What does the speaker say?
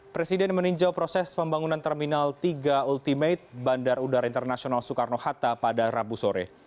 presiden meninjau proses pembangunan terminal tiga ultimate bandar udara internasional soekarno hatta pada rabu sore